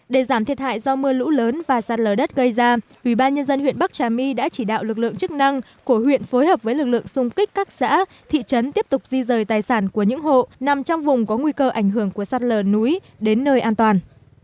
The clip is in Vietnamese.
để giảm thiệt hại do mưa lũ lớn và sạt lở đất gây ra ubnd huyện bắc trà my đã chỉ đạo lực lượng chức năng của huyện phối hợp với lực lượng xung kích các xã thị trấn tiếp tục di rời tài sản của những hộ nằm trong vùng có nguy cơ ảnh hưởng của sạt lở núi đến nơi an toàn